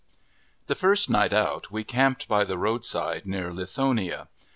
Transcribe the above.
The first night out we camped by the road side near Lithonia.